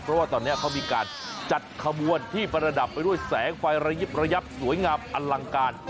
เพราะว่าตอนนี้เขามีการจัดขบวนที่ประดับไปด้วยแสงไฟระยิบระยับสวยงามอลังการ